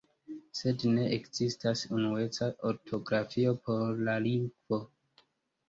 Sed ne ekzistas unueca ortografio por la lingvo.